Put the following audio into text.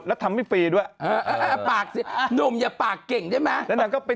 อ๋อมากับมาสลบเลยไง